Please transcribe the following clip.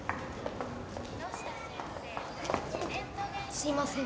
すいません。